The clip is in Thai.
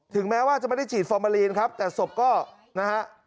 แม้ว่าจะไม่ได้ฉีดฟอร์มาลีนครับแต่ศพก็นะฮะ